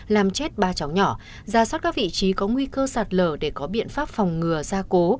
làm chết ba cháu nhỏ ra soát các vị trí có nguy cơ sạt lở để có biện pháp phòng ngừa gia cố